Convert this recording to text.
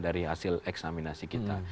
dari hasil eksaminasi kita